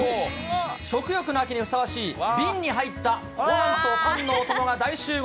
食欲の秋にふさわしい瓶に入ったごはんとパンのお供が大集合。